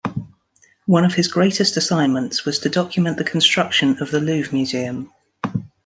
One of his greatest assignments was to document the construction of the Louvre museum.